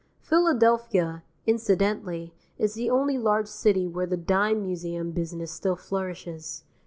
Philadelphia, incidentally, is the only large city where the Dime Museum business still flourishes.